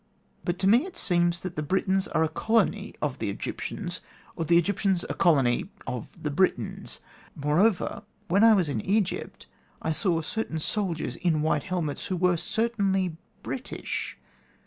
But to me it seems that the Britons are a colony of the Egyptians, or the Egyptians a colony of the Britons. Moreover, when I was in Egypt I saw certain soldiers in white helmets, who were certainly British.